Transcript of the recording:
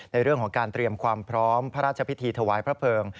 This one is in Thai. ในเรื่องของการเตรียมความพร้อมพระราชพิธีถวายพระเพิง